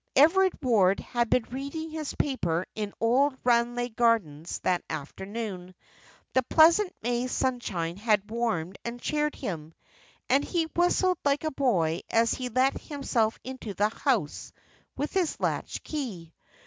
Everard Ward had been reading his paper in old Ranelagh Gardens that afternoon. The pleasant May sunshine had warmed and cheered him, and he whistled like a boy as he let himself into the house with his latch key.